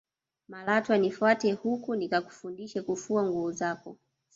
malatwa nifate huku nikakufundishe kufua nguo zako